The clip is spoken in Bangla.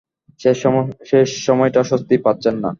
শেষ সময়টা স্বস্তি পাচ্ছেন না।